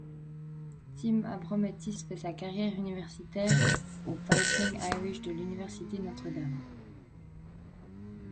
Tim Abromaitis fait sa carrière universitaire aux Fighting Irish de l'université Notre Dame.